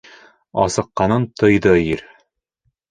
Асыҡҡанын тойҙо ир.